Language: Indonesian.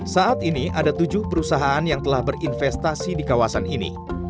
saat ini ada tujuh perusahaan yang telah berinvestasi di kawasan ini